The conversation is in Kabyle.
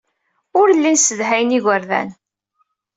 Ur llin ssedhayen igerdan.